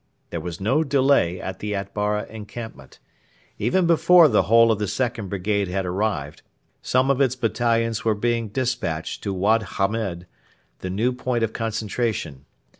There was no delay at the Atbara encampment. Even before the whole of the second brigade had arrived, some of its battalions were being despatched to Wad Hamed, the new point of concentration.